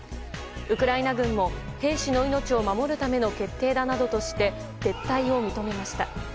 ウクライナ軍も、兵士の命を守るための決定だなどとして撤退を認めました。